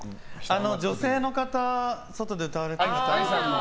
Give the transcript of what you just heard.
女性の方、外で歌われた。